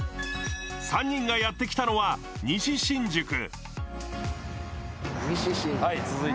３人がやってきたのは西新宿。